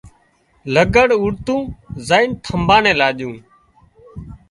لگھڙ اوڏتون زائينَ ٿمڀا نين لاڄون